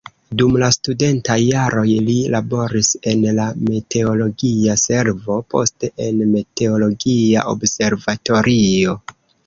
Dum la studentaj jaroj li laboris en la meteologia servo, poste en meteologia observatorio.